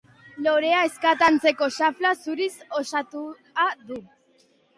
Lorea ezkata antzeko xafla zuriz osatua du.